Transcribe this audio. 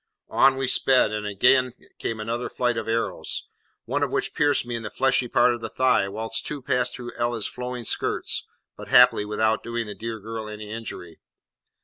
On we sped, and again came another flight of arrows, one of which pierced me in the fleshy part of the thigh, whilst two passed through Ella's flowing skirts, but happily without doing the dear girl any injury.